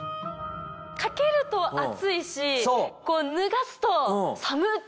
掛けると暑いしこう脱がすと寒っ！